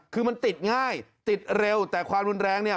คือมันติดง่ายติดเร็วแต่ความรุนแรงเนี่ย